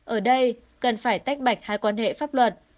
ở đây cần phải tách bạch hai quan hệ pháp luật